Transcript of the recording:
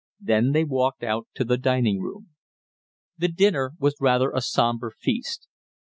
Then they walked out to the dining room. The dinner was rather a somber feast.